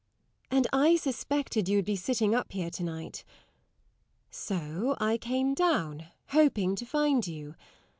And I suspected you would be sitting up here to night. So I came down, hoping to find you.